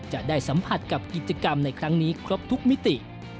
จะได้สัมผัสกับกิจกรรมในครั้งนี้ครบทุกมิติ